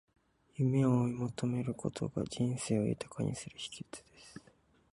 夢を追い求めることが、人生を豊かにする秘訣です。